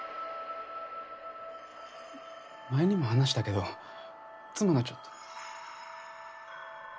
前にも話したけど妻がちょっと。